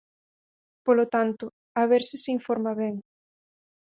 Polo tanto, a ver se se informa ben.